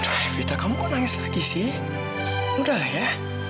udah lah ya vita kamu kok nangis lagi sih udah lah ya